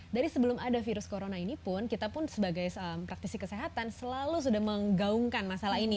dari sebelum ada virus corona ini pun kita pun sebagai praktisi kesehatan selalu sudah menggaungkan masalah ini